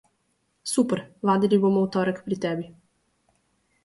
Super, vadili bomo v torek pri tebi.